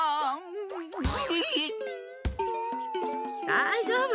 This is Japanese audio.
だいじょうぶ。